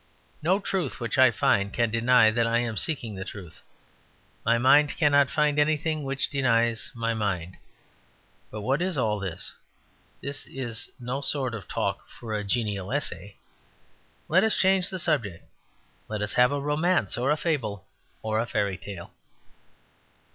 No truth which I find can deny that I am seeking the truth. My mind cannot find anything which denies my mind... But what is all this? This is no sort of talk for a genial essay. Let us change the subject; let us have a romance or a fable or a fairy tale.